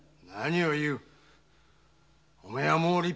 何を言う。